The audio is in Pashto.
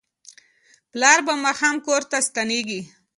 پلار به ماښام کور ته ستنیږي.